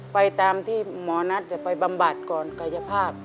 ไปตามที่หมอนัทจะไปบำบัดก่อนกายภาพ